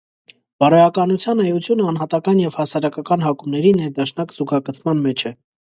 Բարոյականության էությունը անհատական և հասարակական հակումների ներդաշնակ զուգակցման մեջ է։